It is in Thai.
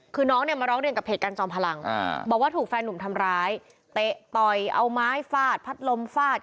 คือน้องเนี่ยมาร้องเรียนกับเพจการจอมพลังบอกว่าถูกแฟนหนุ่มทำร้ายเตะต่อยเอาไม้ฟาดพัดลมฟาด